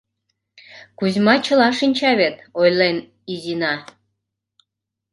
— Кузьма чыла шинча вет, — ойлен Изина.